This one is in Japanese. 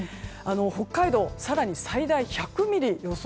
北海道、更に最大１００ミリの予想